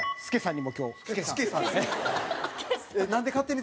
助さん。